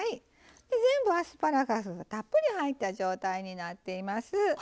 全部アスパラガスたっぷり入った状態になっています。